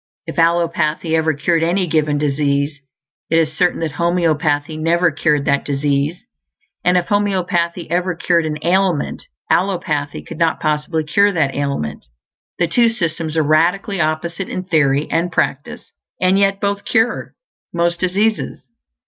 If allopathy ever cured any given disease, it is certain that homeopathy never cured that disease; and if homeopathy ever cured an ailment, allopathy could not possibly cure that ailment. The two systems are radically opposite in theory and practice; and yet both "cure" most diseases.